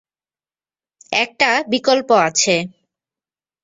একটা বিকল্প আছে।